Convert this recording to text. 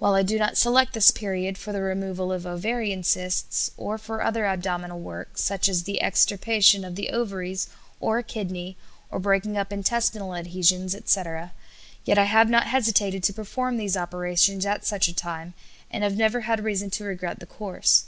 While I do not select this period for the removal of ovarian cysts, or for other abdominal work, such as the extirpation of the ovaries, or a kidney, or breaking up intestinal adhesions, etc., yet I have not hesitated to perform these operations at such a time, and have never had reason to regret the course.